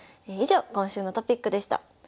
以上今週のトピックでした。